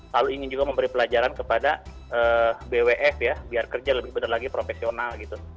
lalu ingin juga memberi pelajaran kepada bwf ya biar kerja lebih benar lagi profesional gitu